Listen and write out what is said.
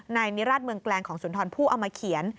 นิราชเมืองแกลงของสุนทรผู้เอามาเขียน